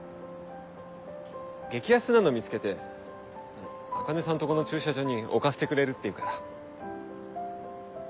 激安なの見つけて茜さんとこの駐車場に置かせてくれるっていうから。